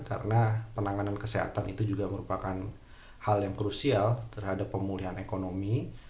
karena penanganan kesehatan itu juga merupakan hal yang krusial terhadap pemulihan ekonomi